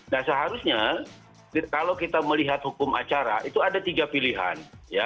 nah seharusnya kalau kita melihat hukum acara itu ada tiga pilihan